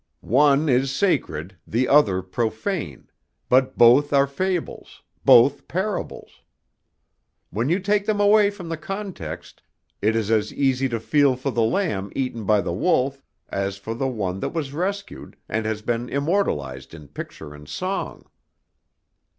One is sacred, the other profane, but both are fables, both parables. When you take them away from the context it is as easy to feel for the lamb eaten by the wolf, as for the one that was rescued, and has been immortalized in picture and song."